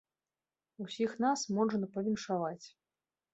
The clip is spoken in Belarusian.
Усіх нас можна павіншаваць.